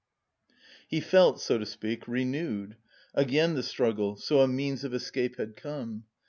He felt, so to speak, renewed; again the struggle, so a means of escape had come.